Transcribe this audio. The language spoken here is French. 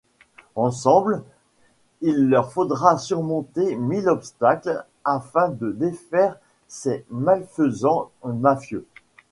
Ensemble, il leur faudra surmonter mille obstacles afin de défaire ces malfaisants mafieux.